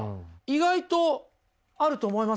意外とあると思いません？